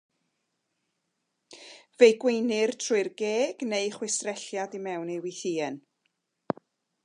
Fe'i gweinir trwy'r geg neu chwistrelliad i mewn i wythïen.